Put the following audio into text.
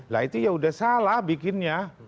lah itu ya sudah salah bikinnya